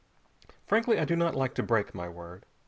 Frankly, I do not like to break my word.